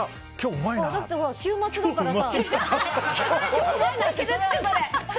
だって週末だからさ。